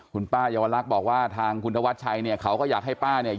คุณป้ายาวลักษณ์บอกว่าทางคุณธวัชชัยเนี่ยเขาก็อยากให้ป้าเนี่ย